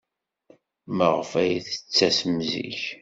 Maɣef ay d-tettasem zik?